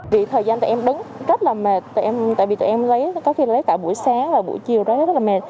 vì thời gian tụi em đứng rất là mệt tại vì tụi em có khi lấy cả buổi sáng và buổi chiều rất là mệt